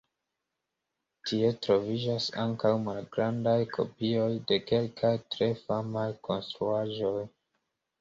Tie troviĝas ankaŭ malgrandaj kopioj de kelkaj tre famaj konstruaĵoj.